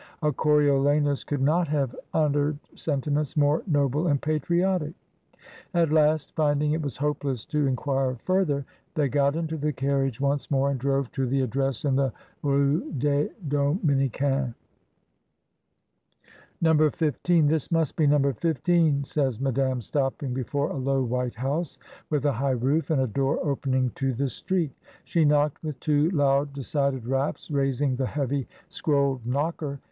A Coriolanus could not have uttered sentiments more noble and patriotic At last, finding it was hopeless to inquire further, they got into the carriage once more, and drove to the address in the Rue des Dominicains. "No. 15! This must be No. 15," says Madame, stopping before a low white house, with a high roof and a door opening to the street She knocked with two loud decided raps, raising the heavy scrolled knocker.